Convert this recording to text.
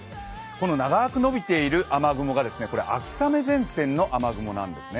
この長くのびている雨雲が秋雨前線の雨雲なんですね。